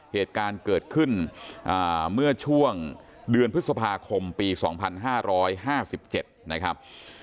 เหตุการณ์เกิดขึ้นเมื่อช่วงเดือนพฤษภาคมปี๒๕๕๗นะครับ